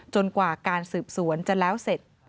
กว่าการสืบสวนจะแล้วเสร็จ